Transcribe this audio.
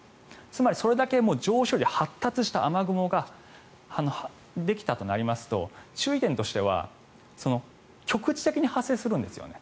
つまり、それだけ発達した雨雲ができたとなりますと注意点としては局地的に発生するんですよね。